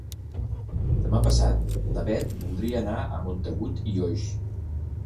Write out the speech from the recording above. Demà passat na Beth voldria anar a Montagut i Oix.